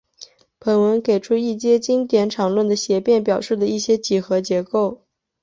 本文给出一阶经典场论的协变表述的一些几何结构。